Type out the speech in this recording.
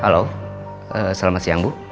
halo selamat siang bu